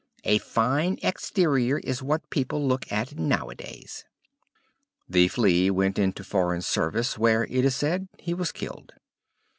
A fine exterior is what people look at now a days." The Flea then went into foreign service, where, it is said, he was killed.